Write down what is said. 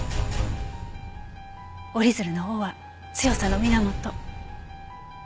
折り鶴の尾は強さの源。